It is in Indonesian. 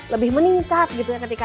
lebih meningkat gitu ketika